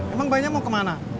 emang bayinya mau kemana